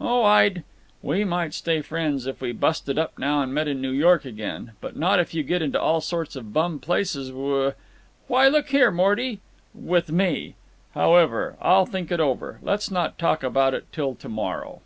"Oh, I'd—" "We might stay friends if we busted up now and met in New York again. But not if you get into all sorts of bum places w—" "Why, look here, Morty—" "—with me…. However, I'll think it over. Let's not talk about it till to morrow."